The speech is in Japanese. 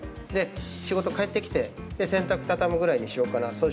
で仕事帰ってきて洗濯畳むぐらいにしようかな。